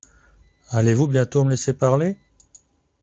Allez-vous bientôt me laisser parler ?